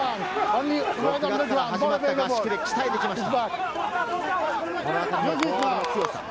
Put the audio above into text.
６月から始まった合宿で鍛えてきました。